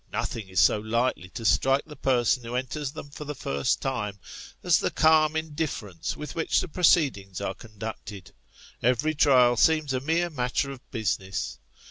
Nothing is so likely to strike the person who enters them for the first time, as the calm indifference with which the proceedings are conducted ; every trial seems a mere matter of business.